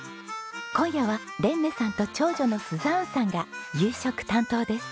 今夜はレンネさんと長女のスザーンさんが夕食担当です。